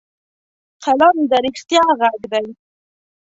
قلم د رښتیا غږ دی